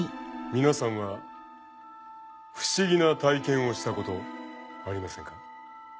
皆さんは不思議な体験をしたことありませんか？